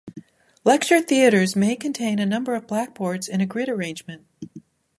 Lecture theatres may contain a number of blackboards in a grid arrangement.